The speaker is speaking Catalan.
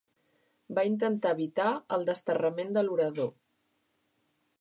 Va intentar evitar el desterrament de l'orador.